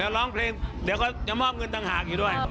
ร้องเพลงเดี๋ยวก็จะมอบเงินต่างหากอยู่ด้วย